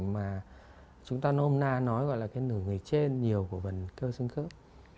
mà chúng ta hôm nay nói gọi là cái nửa người trên nhiều của vần cơ sương khớp